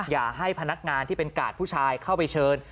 อย่าให้พนักงานที่เป็นกาดผู้ชายเข้าไปเชิญ